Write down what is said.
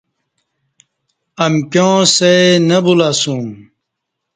امکیاں سئ نہ بولہ اسوم